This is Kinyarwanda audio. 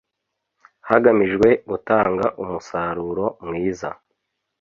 hagamijwe gutanga umusaruro mwiza